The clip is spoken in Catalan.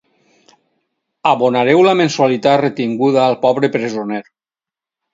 Abonareu la mensualitat retinguda al pobre presoner.